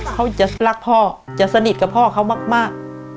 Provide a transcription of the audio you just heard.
เขาจะรักพ่อจะสนิทกับพ่อเขามาก